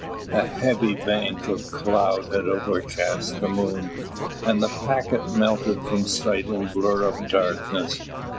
A heavy bank of cloud had overcast the moon, and the packet melted from sight in a blur of darkness.